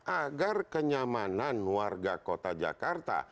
agar kenyamanan warga kota jakarta